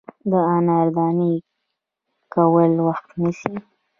د انار دانې کول وخت نیسي.